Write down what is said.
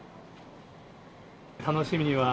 楽しみには？